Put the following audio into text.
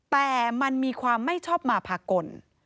แต่มันมีความไม่ชอบมาพากล